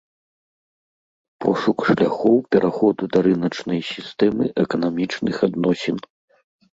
Пошук шляхоў пераходу да рыначнай сістэмы эканамічных адносін.